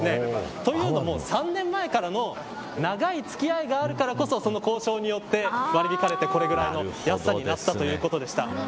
というのも、３年前からの長い付き合いがあるからこそ交渉によって割り引かれてこのぐらいの安さになったということでした。